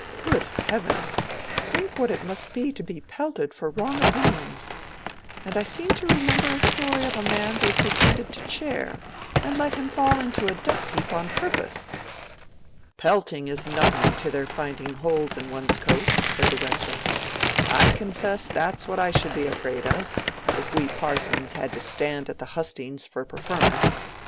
Good heavens! Think what it must be to be pelted for wrong opinions. And I seem to remember a story of a man they pretended to chair and let him fall into a dust heap on purpose!" "Pelting is nothing to their finding holes in one's coat," said the Rector. "I confess that's what I should be afraid of, if we parsons had to stand at the hustings for preferment.